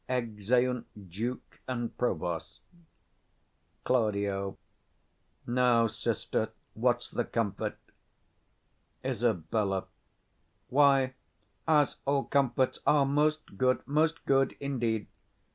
[Exeunt Duke and Provost. Claud. Now, sister, what's the comfort? 55 Isab. Why, As all comforts are; most good, most good indeed.